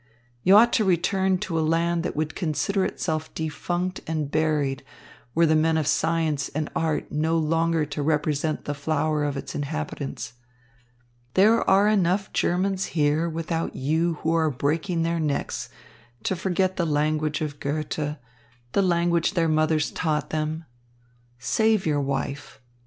You ought to return to a land that would consider itself defunct and buried were the men of science and art no longer to represent the flower of its inhabitants. There are enough Germans here without you who are breaking their necks to forget the language of Goethe, the language their mothers taught them. Save your wife.